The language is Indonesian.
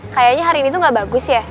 kayaknya hari ini tuh gak bagus ya